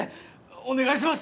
お願いします